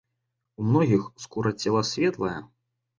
У многіх скура цела светлая.